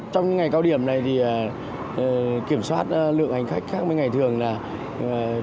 trong những ngày cao điểm này kiểm soát lượng hành khách khác với ngày cao điểm này là gì